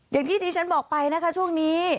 อย่างที่ที่ฉันบอกไปนะคะช่วงนี้